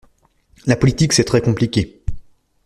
La politique c'est très compliqué.